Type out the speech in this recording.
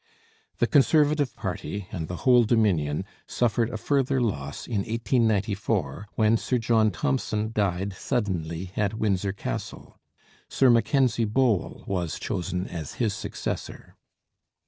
The Conservative party, and the whole Dominion, suffered a further loss in 1894, when Sir John Thompson died suddenly at Windsor Castle. Sir Mackenzie Bowell was chosen as his successor.